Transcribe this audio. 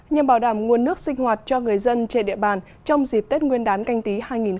nhằm bảo đảm nguồn nước sinh hoạt cho người dân trên địa bàn trong dịp tết nguyên đán canh tí hai nghìn hai mươi